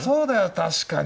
確かに！